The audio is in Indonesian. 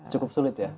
cukup sulit ya